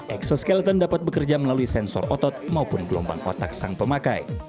exoscaleton dapat bekerja melalui sensor otot maupun gelombang otak sang pemakai